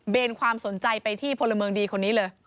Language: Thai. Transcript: ความสนใจไปที่พลเมืองดีคนนี้เลย